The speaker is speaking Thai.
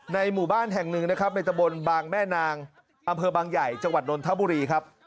หมู่บ้านแห่งหนึ่งนะครับในตะบนบางแม่นางอำเภอบางใหญ่จังหวัดนนทบุรีครับ